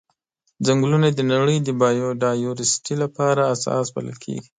ځنګلونه د نړۍ د بایوډایورسټي لپاره اساس بلل کیږي.